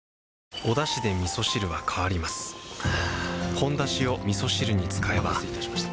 「ほんだし」をみそ汁に使えばお待たせいたしました。